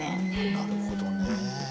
なるほどねえ。